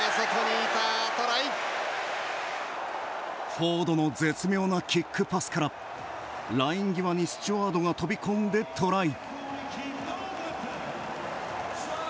フォードの絶妙のキックパスからライン際にスチュワードが飛び込んでトライ。